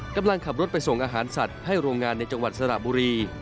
กำลังขับรถไปส่งอาหารสัตว์ให้โรงงานในจังหวัดสระบุรี